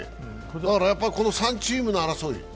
だからやっぱりこの３チームの争い。